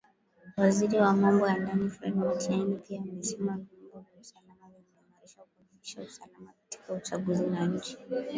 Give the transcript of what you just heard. Waziri wa Mambo ya Ndani Fred Matiang’i pia amesema vyombo vya usalama vimeimarishwa kuhakikisha usalama katika uchaguzi na nchi